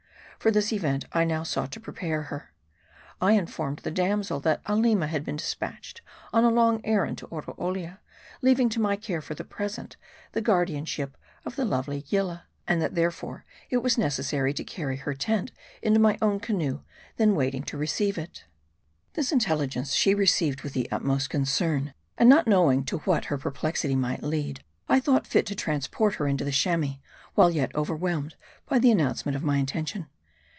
For this event I now sought to prepare her. I informed the damsel that Aleema had been dispatched on a long errand to Oroolia ; leaving to my care, for the present, the guardianship of the lovely Yillah ; HARD I. 169 and that therefore, it was necessary to carry her tent into my own canoe, then waiting to receive it. This intelligence she received with the utmost concern ; and not knowing to what her perplexity might lead, I thought fit to transport her into the Chamois, while yet overwhelmed by the announcement of my intention.